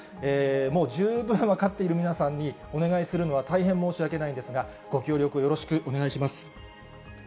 もう十分分かっている皆さんにお願いするのは大変申し訳ないんですが、ご協力、よろしくお願いします。